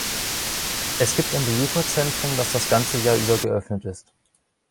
Es gibt ein Besucherzentrum, das das ganze Jahr über geöffnet ist.